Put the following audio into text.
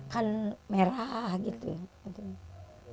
kan merah gitu